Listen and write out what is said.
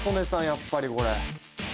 やっぱりこれ。